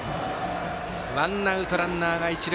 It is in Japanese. ワンアウト、ランナーが一塁。